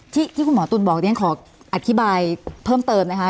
ที่คุณหมอตุ๋นบอกเรียนขออธิบายเพิ่มเติมนะคะ